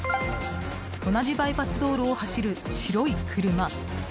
同じバイパス道路を走る白い車。